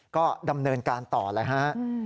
ก็ดำเนินการต่อเลยฮะ